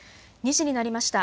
２時になりました。